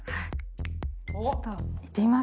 ちょっといってみます。